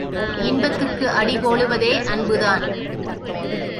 இன்பத்துக்கு அடிகோலுவதே அன்புதான்.